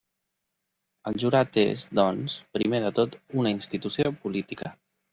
El jurat és, doncs, primer de tot una institució política.